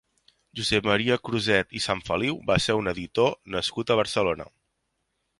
Josep Maria Cruzet i Sanfeliu va ser un editor nascut a Barcelona.